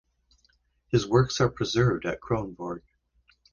His works are preserved at Kronborg.